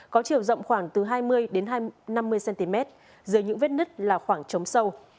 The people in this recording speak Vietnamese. có chiều rộng khoảng từ hai mươi năm mươi cm dưới những vết nứt là khoảng trống sâu